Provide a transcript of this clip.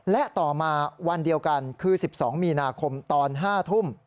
และต่อมาวันเดียวกันคือ๑๒มีนาคมตอน๕ทุ่ม